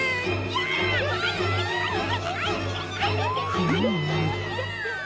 フーム。